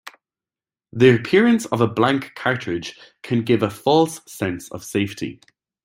The appearance of a blank cartridge can give a false sense of safety.